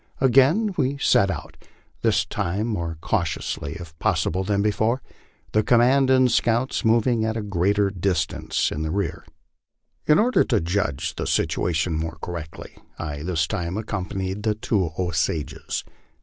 Again we set out, this time more cautiously if possible than before, the command and scouts moving at a greater distance in rear. In order to judge of the situation more correctly, I this time accompanied the two Osages.